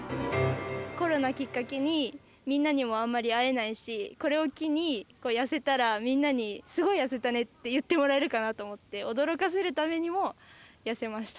コロナをきっかけに、みんなにもあまり会えないし、これを機に痩せたら、みんなにすごい痩せたねって言ってもらえるかなと思って、驚かせるためにも痩せました。